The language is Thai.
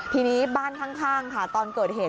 ทีนี้บ้านข้างค่ะตอนเกิดเหตุ